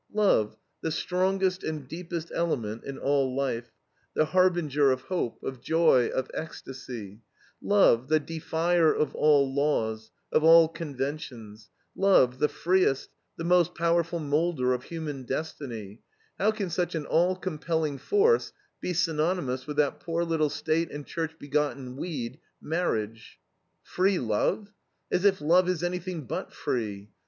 Love, the strongest and deepest element in all life, the harbinger of hope, of joy, of ecstasy; love, the defier of all laws, of all conventions; love, the freest, the most powerful moulder of human destiny; how can such an all compelling force be synonymous with that poor little State and Church begotten weed, marriage? Free love? As if love is anything but free!